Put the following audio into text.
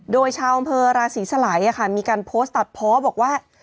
โดยชาวอำเภอราศีสลัยมีการโพสต์ตัดเพาะบอกว่า